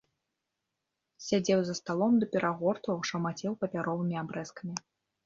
Сядзеў за сталом ды перагортваў, шамацеў папяровымі абрэзкамі.